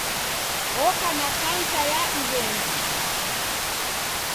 Oka na kansa ya iw'engu.